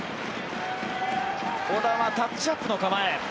小田はタッチアップの構え。